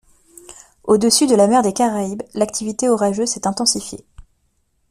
Au-dessus de la mer des Caraïbes, l'activité orageuse s'est intensifiée.